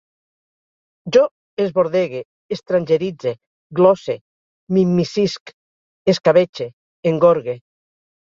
Jo esbordegue, estrangeritze, glosse, m'immiscisc, escabetxe, engorgue